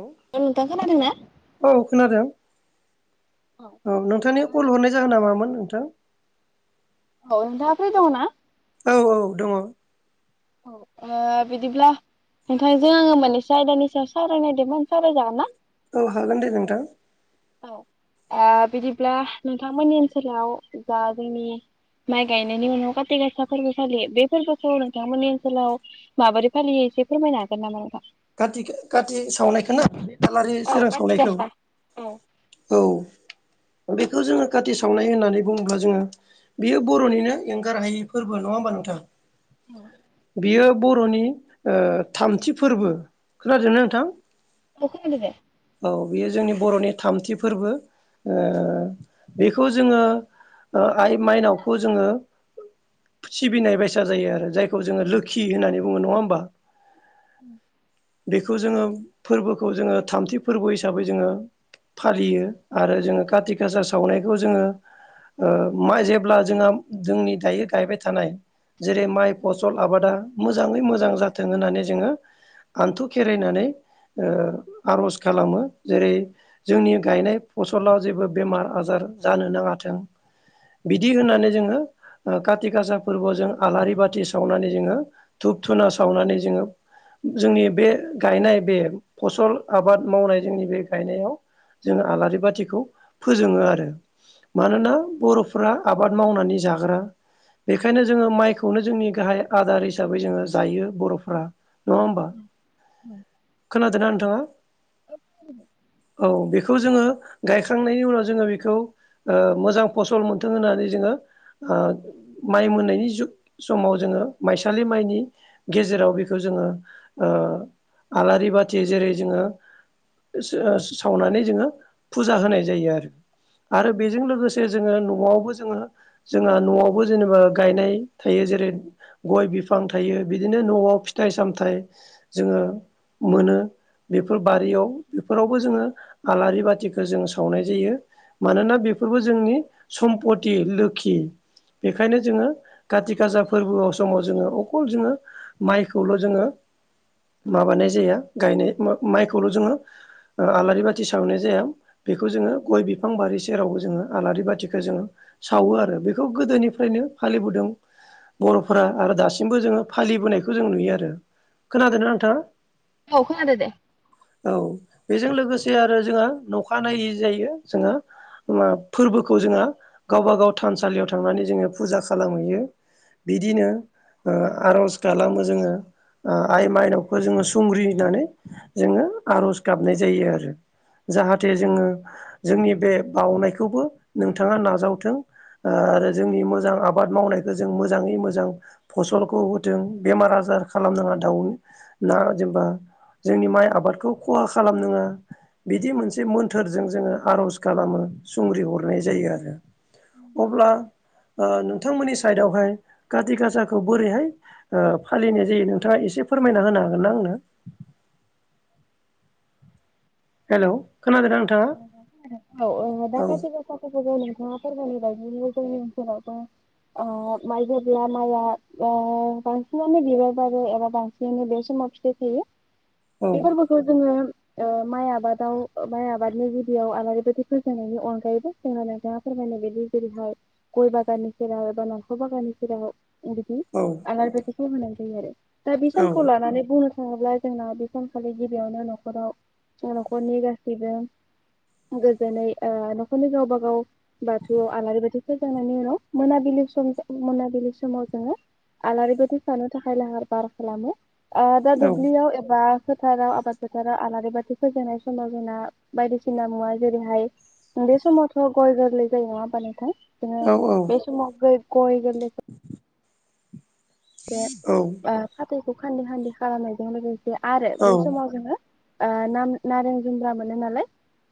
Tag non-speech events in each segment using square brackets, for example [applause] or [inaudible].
औ नोंथां खोनादों ना? औ खोनादों औ नोंथांनि कल हरनाय जाहोना नामामोन नोंथां। दाफ्रि दङना औ औ दङ। औ बिदिब्ला नोंथांजों आङो मोनानेसे आयदानि सायाव सावरायनायदोंमोन साररायजागोन ना? औ हागोन दे नोंथां औ बिदिब्ला नोंथांमोननि ओनसोलाव जा जोंनि माइ गायनायनि उनाव खााथि गासा फोरबो फालियो बे फोरबोखौ नोंथांमोननि ओनसोलाव माबोरै फालियो? एसे फोरमायनोागोन नामा नोंथां? खाथि सावनायखौनो दालारि औ सोरां काति सावनायखौ गासा औ औ बेखौ जोङो खाथि सावनाय होननानै बुङोब्ला जोङो। बेयो बर'निनो एंगार हायि फोरबो नङा होमबा नोंथां? औ बियो बर'नि थामथि फोरबो खोनादोंना नोंथां? अखोनाबायदा औ बेयो जोंनि बर'नि थामथि फोरबो बेखौ जोङो आइ माइनावखौ जोङो सिबिनाय बाइसा जायो आरो जायखौ जोङो लोखि होननानै बुङो नङा होमबा। उ बेखौ जोङो फोरबोखौ जोङो थामथि फोरबो हिसाबै जोङो फालियो आरो जोङो कारति खाासा सावनायखौ जोङो माइ जेब्ला जोंहा जोंनि दायो गायबाय थानाय जेरै माइ फसल आबादा मोजाङै मोजां जाथों होननानै जोङो आान्थु खेरायनानै आर'ज खालामो जेरै जोंनि गायनाय फसलाव जेबो बेमार आजार जानो नाङाथों बिदि होननानै जोङो कातिक आसा फोरबोआवजोंआलारि बाथि सावनानै जोङो धपधुना सावनानै जोङो [inaudible] जोंनि बे गायनाय बे फसल आबाद मावनाय जोंनि बे गायनायाव जोंङ आलारि बाथिखौ फोजोङो आरो मानोना बर' फोरा आबाद मावनानै जाग्रा बेखायनो जोङो माइखौनो जोंनि गाहाय आदार हिसाबै जोङो जायो बर'फ्रा नङा। होमबा औ द' [inaudible] औ बेखौ जोङो गायखांनायनि उनाव जोङो बेखौ मोजां फसल मोनथों होननानै जोङो माइ मोननायनि समाव जोङो माइसालि माइनि गेजेराव बेखौ जों जो आलारि बाथि जेरै जोङो सावनानै जोङो फुजा होनाय जायो आरो। आरो बेजों लोगोसे जोङो न'आवबो जोङो जोंहा न'आवबो जेनेबा गायनाय थायो जेरै गय बिफां थायो बिदिनो न'आव फिथाइ सामथाइ जोङो मोनो। बेफोर बारियाव बेफोरावबो जोङो आलारि बाथिखो जों सावनाय जायो। मानोना बेफोरबो जोंनि सम्पति लोखि। बेखायनो जोङो काति गाजा फोर्बोआव समाव जोङो अखल जोङो माइखौल' जोङो माबानाय जाया गायनाय मा-माइखौल' जोङो ओ आलारि बाथि सावनाय जाया बेखौ जोङो गइ बिफां बारि सेरावबो जोङो आलारि बाथिखो जोङो सावो आरो। बेखौ गोदोनिफ्रायनो फालिबोदों बर'फोरा आरो दासिमबो जोङो फालिबोनायखौ जों नुयो आरो। खोनादों ना नोंथाङा? औ खोनादों दे। औ बेजों लोगोसे आरो जोंहा अखानायै जायो जोंहा फोर्बोखौ जोंहा गावबागाव थानसालियाव थांनानै जोङो फुजा खालामहैयो। बिदिनो ओ आर'ज खालामो जोङो। ओ आइ माइनावखौ जोङो सुंग्रि होनानै जोङो आर'ज गाबनाय जायो आरो। जाहाथे जोङो जोंनि बे बावनायखौबो नोंथाङा नाजावथों आरो जोंनि मोजां आबाद मावनायखौ जों मोजाङै मोजां फसलखौ होथों बेमार आ जार खालामनाङा दाव ना जेनबा जोंनि माइ आबादखौ खहा खालामनाङा बिदि मोनसे मोन्थोरजों जोङो आर'ज खालामो। सुंग्रि हरनाय जायो आरो। अब्ला ओ नोंथांमोननि साइदावहाय खाथि गासाखौ बोरैहाय फालिनाय जायो नों थाङा एसे फोरमायना होनो हागोन ना आंनो? हेलौ। खोनादोंना औ नोंथाङा खोनादों औ खाथि गासाखौबो जों फोर्बोनि बागै जोंनि ओनसोलावबो अ माइ जेब्ला माइआ ओ बांसिनानो बिबार बारो एबा बांसिनानो बे समाव फिथाइ थायो। औ बे फोर्बोखौ जोङो ओ माइ आबादाव माइ आबादनि गिबियाव आलारि बाथि फोजोंनायनि अनगायैबो जोंनाव नोंथाङा फोरमायनाय बायदि जेरै गय बागाननि सेराव एबा नख'र बागाननि सेराव बिदि औ आलारि बाथिखौ होनाय जायो आरो। दा बे औ सानखौ लानानै बुंनो थाङोब्ला जोंना बे सानखालि गिबियावनो नख'राव नख'रनि गा सैबो गोजोनै न'खरनि गावबागाव बाथौआव आलारि बाथि फोजोंनायनि उनाव मोनाबिलि सम मोनाबिलि समाव जोङो आलारि बाथि सावनो थाखाय लाहार फाहार खालामो। ओ दा औ दुब्लियाव एबा फोथाराव आबाद फोथाराव आलारि बाथि फोजोंनाय समाव जोंना बायदिसिना मुवा जेरैहाय बे समावथ गय गोरलै जायो नङा होनबा नोंथां। औ बे समाव गय गोरलैखो ओ फाथैखौ खान्दै खान्दै खालामनायजों लोगोसे आरो बे औ समाव जोङो ओ नाम-नारें जुम्ब्रा मोनो नालाय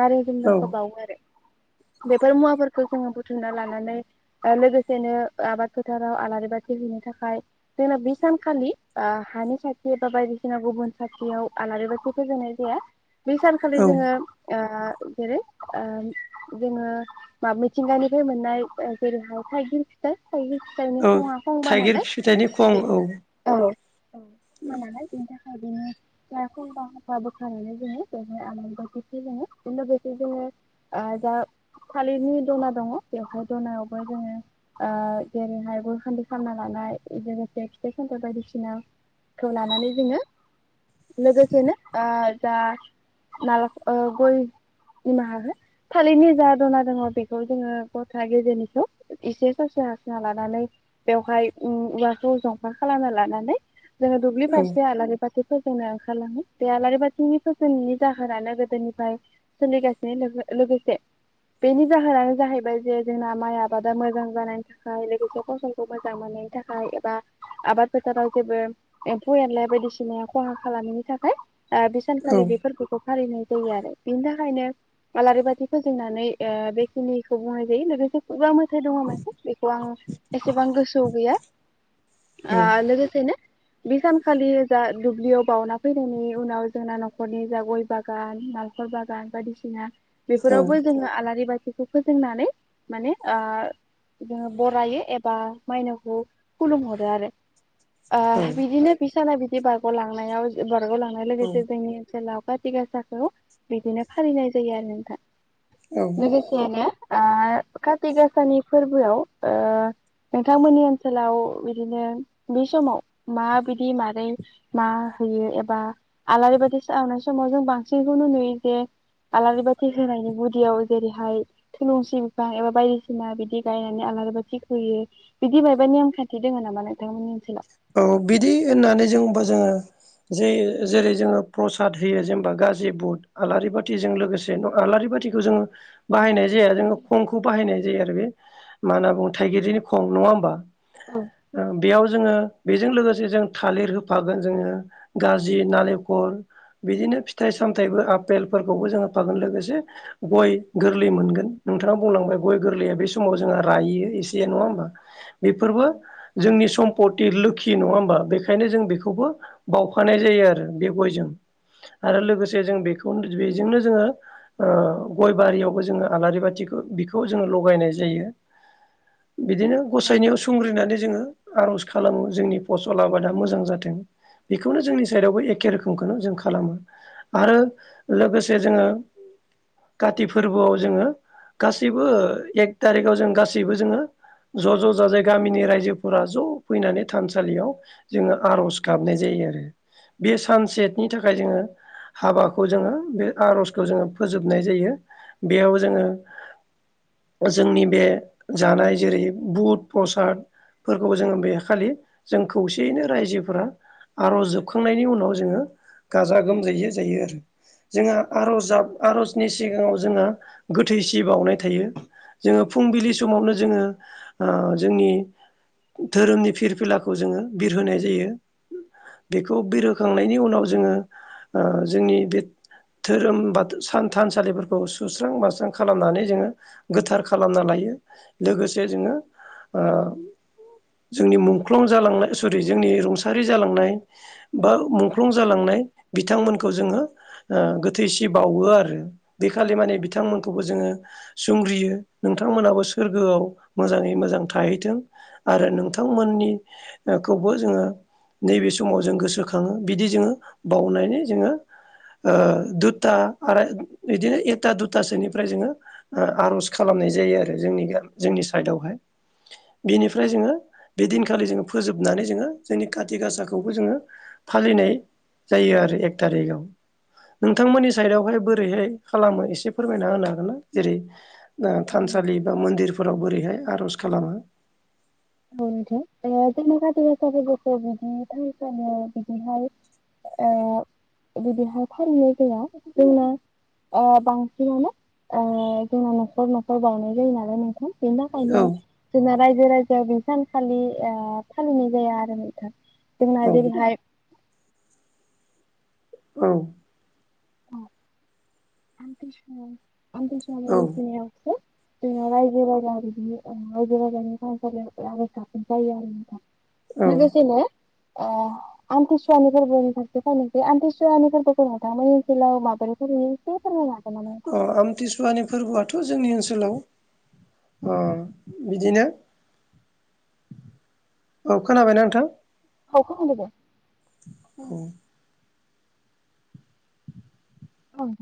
नारें औ जुम्ब्राखो बावो आरो। बेफोर मुवाफोरखौ जोङो बुथुमना लानानै ओ लोगोसेनो आबाद फोथाराव आलारि बाथि सिबिनो थाखाय जोंना बे सानखालि ओ हानि साथि एबा बायदिसिना गुबुन साथियाव आलारि बाथि फोजोंनाय जा जायो। बे सानखालि औ जोङो ओ जेरै ओ जोङो मिथिंगानिफ्राय मोननाय जेरैहाय थाइगिर फिथाय। थाइगिर फिथाइनि औ खङा खंबा थाइगिर नालाय। फिथाइनि बे खं औ। औ हानानै बेनि थाखाय बेनि खंफा खंफा बोखारनानै जोङो बेवहाय आलारि बाथि फोजोङो। बेनि उनाव बेखौ जोङो ओ दा थालिरनि दना दङ बेवहाय दनायावबो जोङो ओ जेरैहाय गइयखान्दि खालामना लानाय लोगोसे फिथाइ सामथाइ बायदिसिनाखौ लानानै जोङो लोगोसेनो ओ जा ना ग'इ निमाहा हो थालिरनि जा दना दङ बेखौ जोङो गथा गेजेरनिखौ एसे ससे हासना लानानै बेवहाय ओम औवाखौ जंफार खालामना लानानै जोङो दुब्लि औ फारसे आलारि बाथि [unintelligible] फनो ओंखारलाङो बे आलारि बाथिनि फोजोंनायनि जाहोनानो गोदोनिफ्राय सोलिगासिनो दं ओ लोगोसे बेनि जाहोनानो जाहैबाय जे जोंना माइ आबादा मोजां जानायनि थाखाय लोगोसे फसलखौ मोजां मोनो नि थाखाय एबा आबाद फोथाराव जेबो एम्फौ एनलाया बायदिसिनाय खहा खालामैनि थाखाय ओ औ बेसानखालि बेफोरखौ फालिनाय जायो आरो बिनि थाखायनो आलारि बाथि फोजोंनानै ओ बेखिनिखौ बुंनाय जायो लोगोसे मो [unintelligible] दङ मोन‌ बेखौ आं एसेबां गोसोआव गैया आ औ लोगोसेनो बे सानखालि जा दुब्लियाव बावउना फैनायनि उनाव जोंना न'खरनि जा गय बागान नालखेर ब बागान बायदिसिना बेफोरावबो जों आलारि बाथि बेखौ फोजोंनानै माने ओ जोङो बरायो एबा मायनावखौ खुलुमहरो आरो औ ओ बिदिनो बे साना बिदि बारग' लांनायाव जेब्ला बाव लांनाय लोगोसे जोंनि ओनसोलाव काथि गासाखौ बिदिनो फालिनाय जायो आरो नोंथां औ लोगोसेयैनो ओ काति गाासानि फोरबोआव ओ नोंथांमोननि ओ ओनसोलाव बिदिनो बे समाव माबायदि मारै मा होयो एबा आलारि बाथि सावनाय समाव जों बांसिनखौनो नुयो जे आलारि बाथि होनायनि गुदियाव जेरैहाय थुलुंसि बिफां एबा बायदिसिना बिदि गायनानै आ [unintelligible] थि होयो बिदि मायबा नेम खान्थि दङ नामा नोंथांमोननि ओनसोलाव? औ बिदि होननानै जों बो जोङो जे जेरै जोङो प्रसाद होयो जेनेबा गाजि बुट आलारि बाथिजों लोगोसे आलारि न बा बाथिखौ जोङो बाहायनाय जाया जोङो खंखौ बाहायनाय जायो आरो बे मा होनना बुङो थाइगिरनि खं नङा होमबा औ ओ बेयाव जोङो- बेजों लोगोसे जों थालिर होफागोन जोङो गाजि नालेंखल बिदिनो फिथाइ साम सामथाइबो आपेलफोरखौबो जोङो होफागोन लोगोसे गय गोरलै मोनगोन नोंथाङा बुंलांबाय गय गो गोरलैया बे समाव जोंहा रायो एसे नङा होमबा बेफोरबो जोंनि सम्पति लोगो खि नङा होमबा बेखायनो जों बेखौबो बावफानाय जायो आरो बे गयजों। आरो लोगोसे जों बेखौनो बेजोंनो जोङो ओ गय बारियावबो जोङो आलारि बाथिखौ बेखौ जोङो लगायनाय जायो। [inaudible] बिदिनो गसाइनायाव संग्रिनानै जोङो आर'ज खालामो जोंनि फसल आबादा मोजां जाथों बेखौनो जोंनि साइडआवबो एखे रोखोमखौनो जों खालामो आरो लोगोसे जोङो काति फोरबोआव जोङो गासैबो एक थारिखआव जों गासैबो जोङो ज' ज' जाजाय गामिनि रायजोफोरा ज' फैनानै थानसालियाव जोङो आर'ज गाबनाय जायो आरो बे सानसेनि थाखाय जोङो हाबाखौ जोङो बे आर'जखौ जोङो फोजोबनाय जायो बेयाव जोङो जोंनि बे जानाय जेरै बुध, प्रसाद फोरखौबो जोङो बे खालि जों खौसेयैनो रायजोफोरा आर'ज जोबखांनायनि उनाव जोङो गाजा गोमजायै जायो आरो जोंहा आर'जाव आर'ज नि सिगाङाव जोंना गोथै सि बावनाय थायो। जोङो फुंबिलि समावनो जोङो ओ जोंनि धोरोमनि फिरफिला खौ जोङो बिरहोनाय जायो। बेखौ बिरहोखांनायनि उनाव जोङो ओ जोंनि बे धोरोम बाथौ सान थानसालिफोरखौ सुस्रां बास्रां खालामनानै जोङो गोथार खालामना लायो। लोगोसे जोङो ओ जोंनि मुं मुख्लं जालांनाय सरि जोंनि रुंसारि जालांनाय बा मुंख्लं जालांनाय बिथांमोनखौ जोङो ओ गोथैसि बावो आरो बे खालि माने बिथांमोनखौबो जोङो संग्रियो नोंथांमोनाबो सोरगोआव मोजाङै मोजां थाहैथों आरो नोंथां मोननिखौबो जोङो नैबे समाव जों गोसोखाङो बिदि जोङो बावनानै जोङो ओ दुता आरो बिदिनो एता दुतासोनिफ्राय जोङो आर'ज खालामो नाय जायो आरो जोंनि जा जोंनि साइडावहाय बेनिफ्राय जोङो बे दिन खालि जोङो फोजोबनानै जोङो जोंनि काति गासाखौबो जोङो फालिनाय जायो आरो एक तारिगआव नोंथांमोननि साइदआवहाय बोरैहाय खालामो एसे फोरमायना होनो हागोन ना जेरै ओ औ थानसालि बा मन्दिरफोराव बोरैहाय आर'ज खालामो? औ नोंथां जोंनि काति गासा फोरबोखौ बिदिनो [unintelligible] बिदिहाय ओ बिदिहाय फालियो जोङो जोंना ओ बांसिनानो ओ जोंना न'खर न'खर बावनाय जायो नालाय नोंथां। बेनि थाखायनो औ जोंना रायजो राजाया बै सानखालि ओ फालिनाय जाया आरो नोंथां जोंना औ जेरैहाय औ आमथि सुवा आमथि औ सुवानि [inaudible] सो जोंना रायजो राजा आरो रायजो राजानि थानसालियाव आर'ज गाबनाय जायो आरो नोंथां। औ लोगोसेनो ओ आमथिसुवानि फोरबोनि फारसे फानोसै आमथिसुवानि फोरबोखौ नोंथांमोनि ओनोलाव माबोरै फालियो? एसे फोरमायना अ आमथिसुवानि फोरबोआथ' जोंनि ओनसोलाव बिदिनो ओ बिदिनो औ खोनाबायना नोंथां? औ खोनादों दे। औ औ नोंथां।